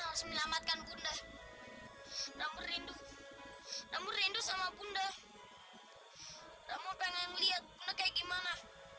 harus menyelamatkan bunda namun rindu namun rindu sama bunda kamu pengen melihat kaya gimana